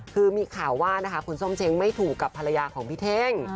คือมีข่าวว่านะคะคุณส้มเช้งไม่ถูกกับภรรยาของพี่เท่ง